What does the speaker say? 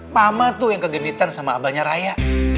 mama tuh yang kegenetan sama abangnya raya